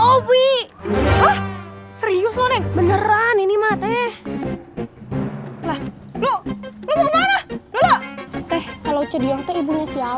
opi hah serius lo beneran ini mah teh lah lu lu mau kemana lu lu teh kalau cediyoh ibunya siapa